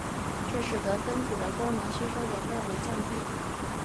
这使得分子的光能吸收的范围降低。